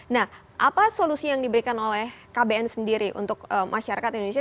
nah apa solusi yang diberikan oleh kbn sendiri untuk masyarakat indonesia